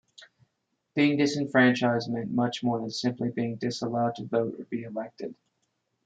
Being disenfranchised meant much more than simply being disallowed to vote or be elected.